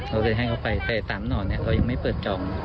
เราก็จะให้เค้าไป๓หน่อนั็ยเค้ายังไม่เปิดจอง